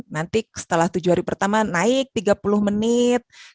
nanti setelah tujuh hari pertama naik tiga puluh menit